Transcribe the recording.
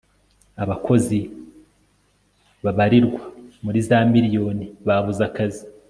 abakozi babarirwa muri za miriyoni babuze akazi